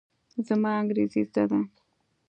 زما انګرېزي زده ده.